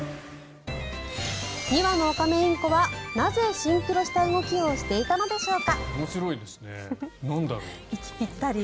２羽のオカメインコはなぜシンクロした動きをしていたのでしょうか。